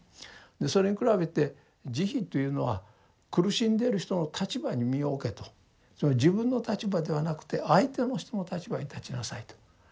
でそれに比べて「慈悲」というのは苦しんでいる人の立場に身を置けとつまり自分の立場ではなくて相手の人の立場に立ちなさいと。